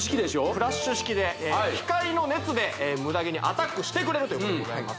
フラッシュ式で光の熱でムダ毛にアタックしてくれるということでございます